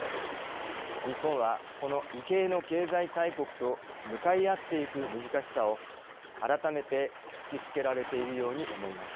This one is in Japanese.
日本は、この異形の経済大国と向かい合ってゆく難しさを改めて突きつけられているように思います。